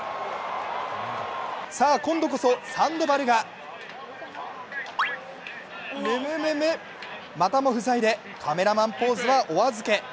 さあ、今度こそサンドバルがむむむむ、またも不在でカメラマンポーズはお預け。